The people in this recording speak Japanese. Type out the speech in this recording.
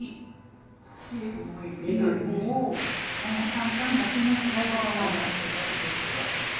簡単な気持ちだけ表しただけですわ。